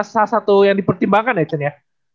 salah satu yang dipertimbangkan ya chen ya